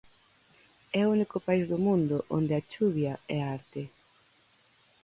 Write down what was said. É o único país do mundo onde a chuvia é arte.